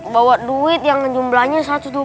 bawa duit yang jumlahnya satu ratus dua puluh